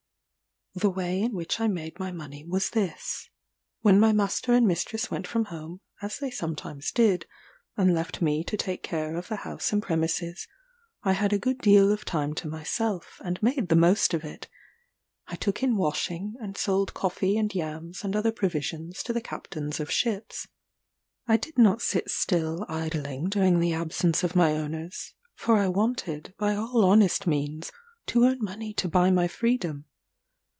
The way in which I made my money was this. When my master and mistress went from home, as they sometimes did, and left me to take care of the house and premises, I had a good deal of time to myself, and made the most of it. I took in washing, and sold coffee and yams and other provisions to the captains of ships. I did not sit still idling during the absence of my owners; for I wanted, by all honest means, to earn money to buy my freedom.